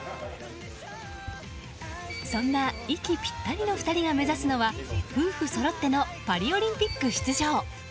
そんな息ぴったりの２人が目指すのは夫婦そろってのパリオリンピック出場。